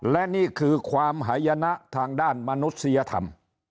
และนี่คือความหายนะทางด้านมนุษยธรรม